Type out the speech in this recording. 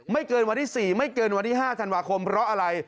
เกินวันที่๔ไม่เกินวันที่๕ธันวาคมเพราะอะไร